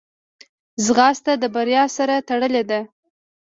ځغاسته د بریا سره تړلې ده